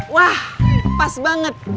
wah pas banget